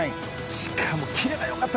しかも切れが良かった。